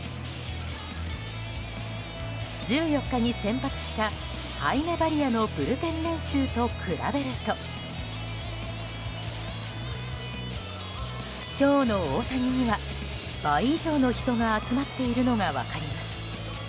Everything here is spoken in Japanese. １４日に先発したハイメ・バリアのブルペン練習と比べると今日の大谷には、倍以上の人が集まっているのが分かります。